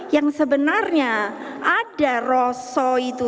yang sebenarnya ada rosa itu